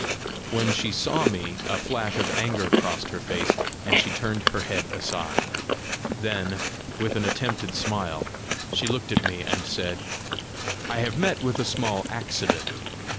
When she saw me, a flash of anger crossed her face, and she turned her head aside. Then, with an attempted smile, she looked at me, and said, "I have met with a small accident!